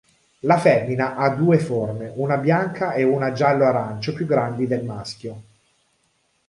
La femmina ha due forme, una bianca e una giallo-arancio, più grandi del maschio.